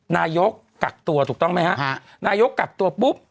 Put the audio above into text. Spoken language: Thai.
นายกกักตัวถูกต้องไหมฮะนายกกักตัวปุ๊บ